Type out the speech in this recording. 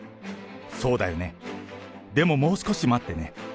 そうだよね、でももう少し待ってね。